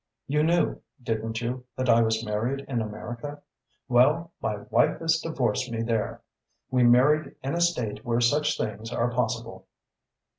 You knew, didn't you, that I was married in America? Well, my wife has divorced me there. We married in a State where such things are possible."